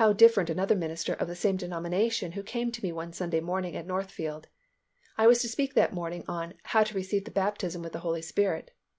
How different another minister of the same denomination who came to me one Sunday morning at Northfield. I was to speak that morning on How to Receive the Baptism with the Holy Spirit.